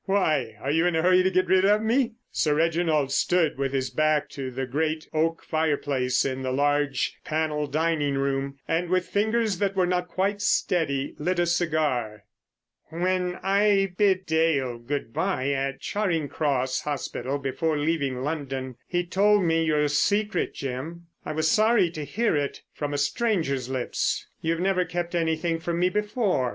Why, are you in a hurry to get rid of me?" Sir Reginald stood with his back to the great oak fireplace in the large panel dining room, and with fingers that were not quite steady lit a cigar. "When I bid Dale good bye at Charing Cross Hospital before leaving London he told me your secret, Jim. I was sorry to hear it from a stranger's lips. You've never kept anything from me before."